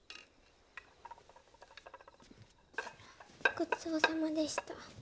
ごちそうさまでした。